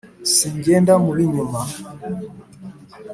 Singenda mu b’inyuma